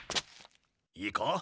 いいか？